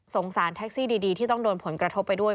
สารแท็กซี่ดีที่ต้องโดนผลกระทบไปด้วย